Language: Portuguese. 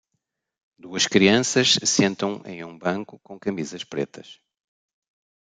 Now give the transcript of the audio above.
duas crianças sentam em um banco com camisas pretas